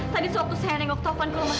tadi suatu saya nengok taufan keluar